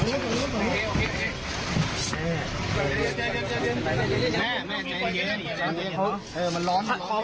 เออมันร้อน